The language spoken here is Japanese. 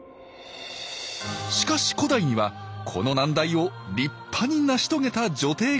しかし古代にはこの難題を立派に成し遂げた女帝がいました。